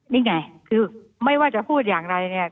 นี่ไงคือไม่ว่าจะพูดอย่างไรเนี่ย